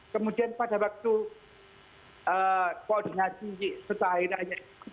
kemudian pada waktu koordinasi setelah hari raya itu